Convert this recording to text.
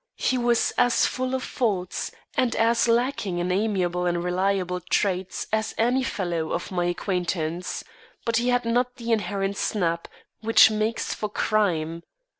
He was as full of faults, and as lacking in amiable and reliable traits as any fellow of my acquaintance. But he had not the inherent snap which makes for crime.